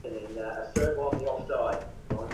অবশ্যই এটা তুমি।